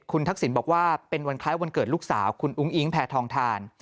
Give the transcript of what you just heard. คุณทักษิณบอกว่าเป็นวันคล้ายวันเกิดลูกสาวคุณอุ้งอิ๊งแพทองทาน